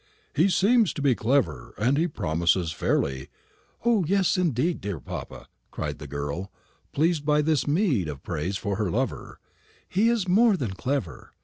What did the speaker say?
He seems to be clever, and he promises fairly " "O yes indeed, dear papa," cried the girl, pleased by this meed of praise for her lover; "he is more than clever.